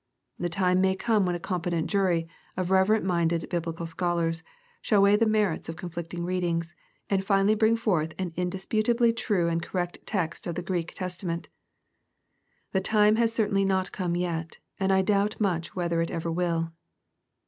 The time may come when a competent jury of reverent minded Biblical scholars, shall weigh the merits of conflicting readings, and finlly bring forth an indisputably true and correct text of the Greek Testa ment. The time has certainly not come yet, and I doubt much whether it ever will.